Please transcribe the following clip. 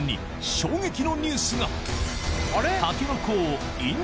衝撃のニュースがえっ！